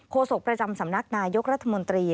โศกประจำสำนักนายกรัฐมนตรี